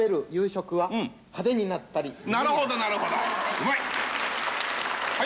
うまい！